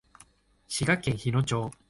滋賀県日野町